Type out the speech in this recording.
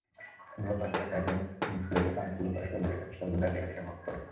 ভূঅভ্যন্তরের ট্যাক্টোনিক প্লেটের প্রান্তগুলো পরস্পর লেগে থেকে সর্বদাই ধীরে ধীরে মুভ করে।